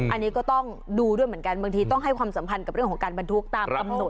อันนี้ก็ต้องดูด้วยเหมือนกันบางทีต้องให้ความสัมพันธ์กับเรื่องของการบรรทุกตามกำหนด